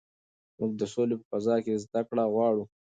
موږ د سولې په فضا کې زده کړه غواړو.